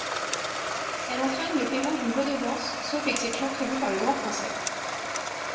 Elle entraîne le paiement d'une redevance, sauf exceptions prévues par le droit français.